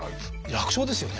楽勝ですよね。